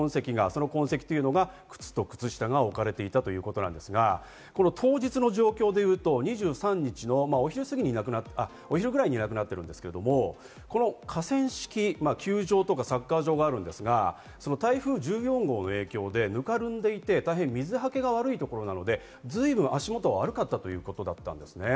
その痕跡が靴と靴下が置かれていたということですが、当日の状況で言うと、２３日のお昼過ぎにいなくなってるんですが、この河川敷、球場やサッカー場があるんですが、台風１４号の影響でぬかるんでいて、大変水はけが悪いところなので、随分足元が悪かったということなんです。